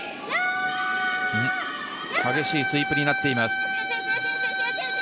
激しいスイープになっています。